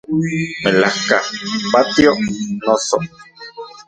Melajka patio, noso